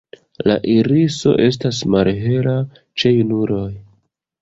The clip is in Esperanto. La iriso estas malhela ĉe junuloj.